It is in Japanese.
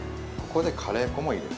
ここでカレー粉も入れる。